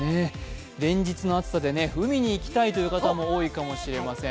連日の暑さで海に行きたいという方も多いかもしれません。